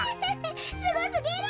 すごすぎる。